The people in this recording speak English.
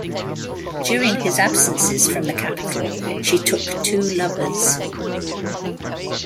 During his absences from the capital she took two lovers.